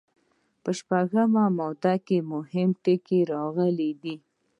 په شپږمه ماده کې مهم ټکي راغلي دي.